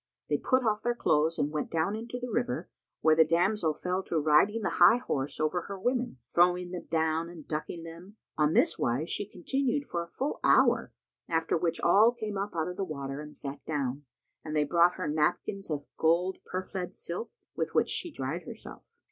They put off their clothes and went down into the river, where the damsel fell to riding the high horse over her women, throwing them down and ducking them. On this wise she continued for a full hour, after which all came up out of the water and sat down; and they brought her napkins[FN#131] of gold purfled silk, with which she dried herself.